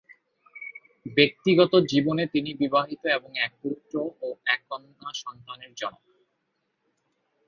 ব্যক্তিগত জীবনে তিনি বিবাহিত এবং এক পুত্র ও এক কন্যা সন্তানের জনক।